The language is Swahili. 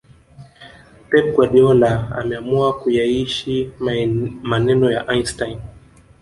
Pep Guadiola ameamua kuyaishi maneno ya Eistein